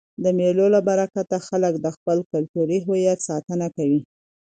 د مېلو له برکته خلک د خپل کلتوري هویت ساتنه کوي.